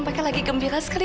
mereka lagi gembira sekali